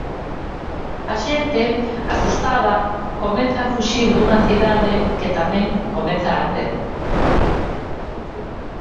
A xente, asustada, comeza a fuxir dunha cidade que, tamén, comeza a arder.